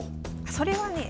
それはねえ。